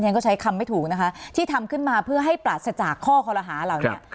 ฉันก็ใช้คำไม่ถูกนะคะที่ทำขึ้นมาเพื่อให้ปราศจากข้อคอรหาเหล่านี้